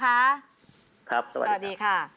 ครับสวัสดีค่ะ